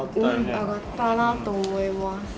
上がったなと思います。